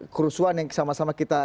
kerusuhan yang sama sama kita